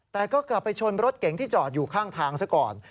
แต่ก็กลับไปชนรถเก๋งที่จอดอยู่ข้างทางซะก่อน